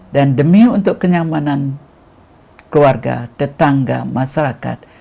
dan demi untuk kenyamanan keluarga tetangga masyarakat